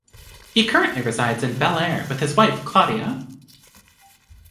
He currently resides in Bel Air with his wife Claudia.